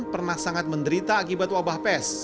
pernah sangat menderita akibat wabah pes